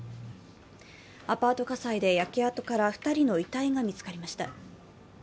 アパート火災で焼け跡から２人の遺体が見つかりました。